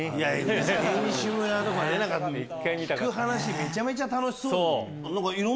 選手村とか聞く話めちゃめちゃ楽しそう。